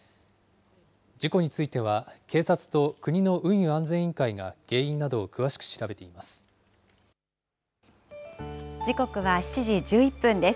事故については、警察と国の運輸安全委員会が原因などを詳しく調時刻は７時１１分です。